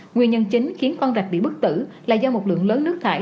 nguyên nhân chính khiến con rạch bị bất tử là do một lượng lớn nước thải